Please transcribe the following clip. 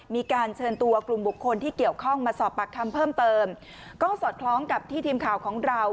มีการเชิญตัวกลุ่มบุคคลที่เกี่ยวข้องมาสอบปากคำเพิ่มเติมก็สอดคล้องกับที่ทีมข่าวของเรา